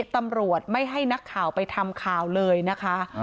ตำรวจไม่ให้นักข่าวไปทำข่าวเลยนะคะ